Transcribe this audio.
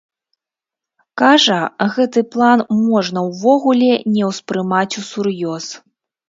Кажа, гэты план можна ўвогуле не ўспрымаць усур'ёз.